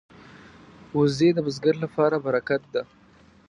وزې د بزګر لپاره برکت ده